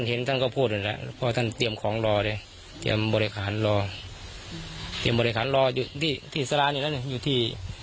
หลอตัวคนอยู่ที่สารานี่